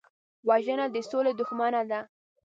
وژنه د سولې دښمنه ده